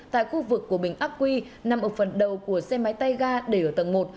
tại khu vực của bình ác quy nằm ở phần đầu của xe máy tay ga để ở tầng một